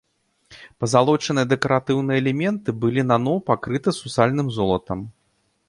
Пазалочаныя дэкаратыўныя элементы былі наноў пакрыты сусальным золатам.